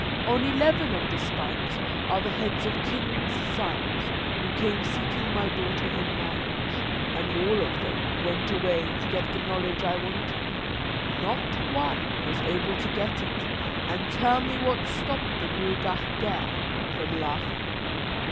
On eleven of the spikes are the heads of kings' sons who came seeking my daughter in marriage, and all of them went away to get the knowledge I wanted. Not one was able to get it and tell me what stopped the Gruagach Gaire from laughing.